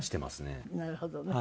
なるほどね。